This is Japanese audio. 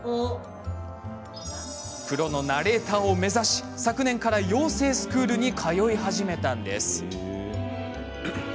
プロのナレーターを目指し昨年から養成スクールに通い始めたんです。